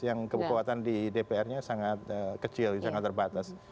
yang kekuatan di dpr nya sangat kecil sangat terbatas